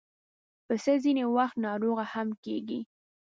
پسه ځینې وخت ناروغه هم کېږي.